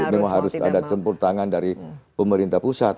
memang harus ada tempur tangan dari pemerintah pusat